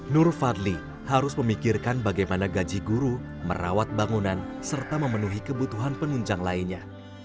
nur fadli harus memikirkan bagaimana gaji guru merawat bangunan serta memenuhi kebutuhan penunjang lainnya